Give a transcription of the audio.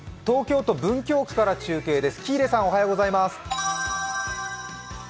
東京都文京区から中継です。